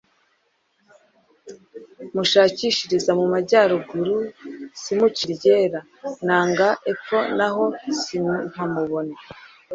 mushakishiriza mu majyaruguru, simuce iryera, nagana epfo na ho, simpamubone